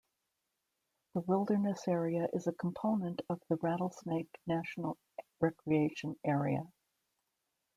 The wilderness area is a component of the Rattlesnake National Recreation Area.